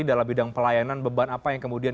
dalam bidang pelayanan beban apa yang kemudian